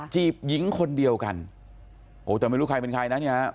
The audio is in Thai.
จีบหญิงคนเดียวกันโอ้แต่ไม่รู้ใครเป็นใครนะเนี่ย